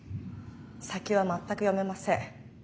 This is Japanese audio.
先は全く読めません。